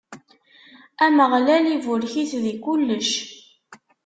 Ameɣlal iburek-it di kullec.